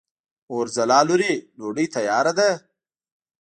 اورځلا لورې! ډوډۍ تیاره ده؟